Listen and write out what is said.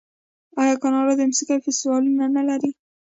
آیا کاناډا د موسیقۍ فستیوالونه نلري؟